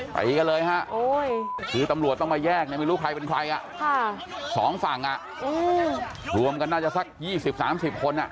ไปกันเลยฮะคือตำรวจต้องมาแยกเนี่ยไม่รู้ใครเป็นใครสองฝั่งรวมกันน่าจะสัก๒๐๓๐คน